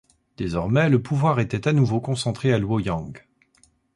Désormais le pouvoir était à nouveau concentré à Luoyang.